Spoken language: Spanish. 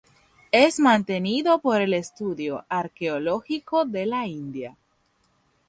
Es mantenido por el Estudio Arqueológico de la India.